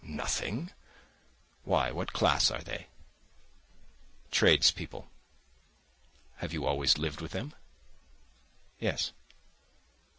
"Nothing? Why, what class are they?" "Tradespeople." "Have you always lived with them?" "Yes."